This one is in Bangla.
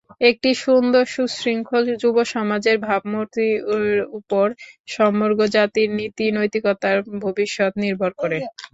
একটি সুন্দর, সুশৃঙ্খল যুবসমাজের ভাবমূর্তির ওপর সমগ্র জাতির নীতি-নৈতিকতার ভবিষ্যৎ নির্ভর করে।